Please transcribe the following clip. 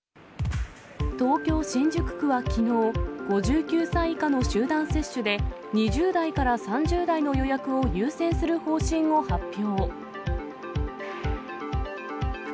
東京・新宿区はきのう、５９歳以下の集団接種で、２０代から３０代の予約を優先する方針を発表。